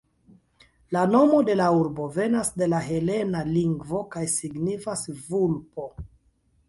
La nomo de la urbo venas de la helena lingvo kaj signifas "vulpo".